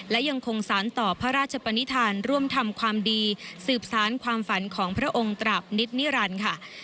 และยังคงสารต่อพระราชปนิษฐานร่วมทำความดีสืบสารความฝันของพระองค์ตราบนิตนิรันดิ์ค่ะ